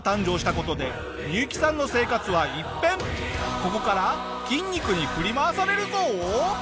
ここから筋肉に振り回されるぞ！